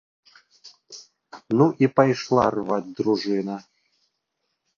Ну, і пайшла рваць дружына!